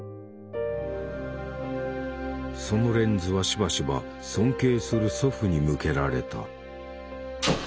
そのレンズはしばしば尊敬する祖父に向けられた。